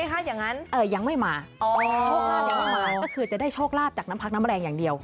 ก็คือจะได้โชคลาบจากน้ำพักน้ำแรงอย่างเดียว